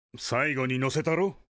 最後にのせたろ？